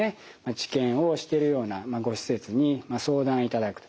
治験をしてるようなご施設に相談いただくと。